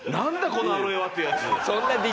このアロエは」っていうやつ。